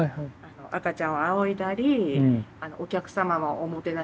赤ちゃんをあおいだりお客様をおもてなしする。